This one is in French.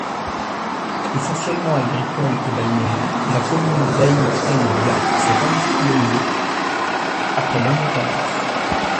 Essentiellement agricole et balnéaire, la commune d'Aïn El Bia s’est industrialisée après l’indépendance.